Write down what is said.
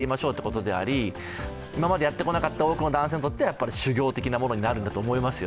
それは男女垣根を越えてやりましょうということであり、今までやってこなかった多くの男性にとっては修業的なものになるんだと思いますよ。